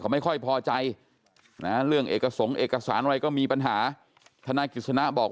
ไม่ค่อยพอใจนะเรื่องเอกสงค์เอกสารอะไรก็มีปัญหาธนายกิจสนะบอก